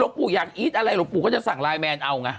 แล้วหลวงปู่อยากอิ๊ตอะไรหลวงปู่ก็จะสั่งไลน์แมนเอาไง